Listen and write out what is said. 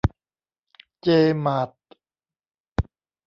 เจ มาร์ท